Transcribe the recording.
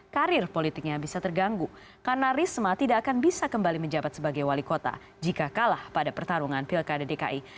karir politiknya bisa terganggu karena risma tidak akan bisa kembali menjabat sebagai wali kota jika kalah pada pertarungan pilkada dki